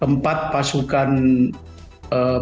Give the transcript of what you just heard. empat pasukan pemilu